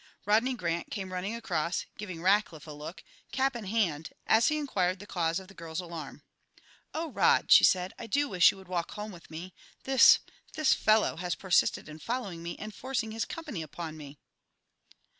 Rodney Grant came running across, giving Rackliff a look, cap in hand, as he inquired the cause of the girl's alarm. "Oh, Rod," she said, "I do wish you would walk home with me. This this fellow has persisted in following me and forcing his company upon me."